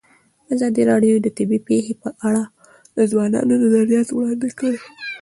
ازادي راډیو د طبیعي پېښې په اړه د ځوانانو نظریات وړاندې کړي.